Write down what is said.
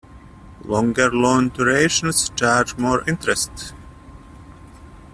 Longer loan durations charge more interest.